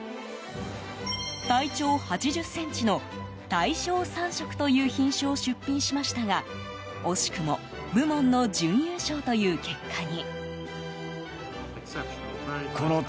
体長８０ｃｍの大正三色という品種を出品しましたが惜しくも部門の準優勝という結果に。